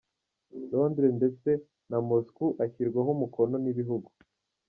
Londres ndetse na Moscow ashyirwaho umukono n’ibihugu .